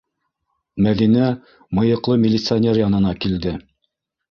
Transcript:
Мәҙинә мыйыҡлы милиционер янына килде: